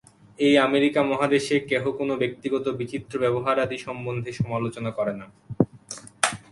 এই আমেরিকা মহাদেশে কেহ কোন ব্যক্তিগত বিচিত্র ব্যবহারাদি সম্বন্ধে সমালোচনা করে না।